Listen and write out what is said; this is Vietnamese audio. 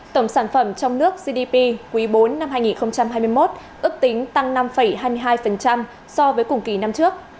tổng sản phẩm trong nước gdp quý bốn năm hai nghìn hai mươi một ước tính tăng năm hai mươi hai so với cùng kỳ năm trước